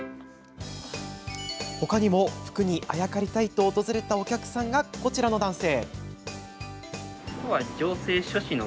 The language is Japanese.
ほかにも福に、あやかりたいと訪れたお客さんが、こちらの男性。